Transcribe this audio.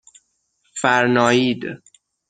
فَرنایید